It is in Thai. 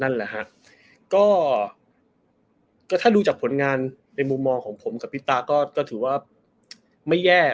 นั่นแหละฮะก็ถ้าดูจากผลงานในมุมมองของผมกับพี่ตาก็ถือว่าไม่แย่